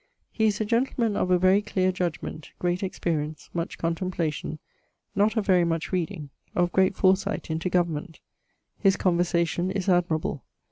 He is a gentleman of a very clear judgement, great experience, much contemplation, not of very much reading, of great foresight into government. His conversation is admirable.